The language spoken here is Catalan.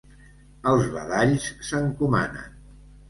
Els badalls s'encomanen.